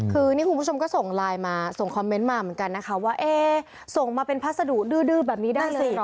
คือนี่คุณผู้ชมก็ส่งไลน์มาส่งคอมเมนต์มาเหมือนกันนะคะว่าส่งมาเป็นพัสดุดื้อแบบนี้ได้เลยเหรอ